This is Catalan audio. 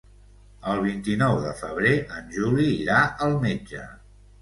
El vint-i-nou de febrer en Juli irà al metge.